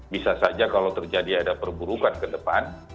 bisa saja kalau terjadi ada perburukan ke depan